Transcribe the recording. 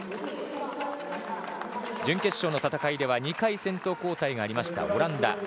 準決勝の戦いでは２回先頭交代がありました、オランダ。